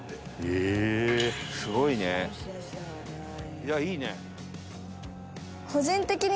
いやあいいね。